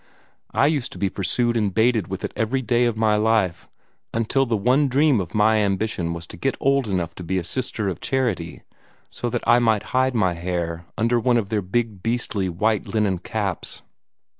I used to be pursued and baited with it every day of my life, until the one dream of my ambition was to get old enough to be a Sister of Charity, so that I might hide my hair under one of their big beastly white linen caps.